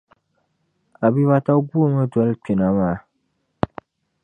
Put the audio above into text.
Abibata guumi n-doli kpina maa.